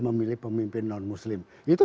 memilih pemimpin non muslim itu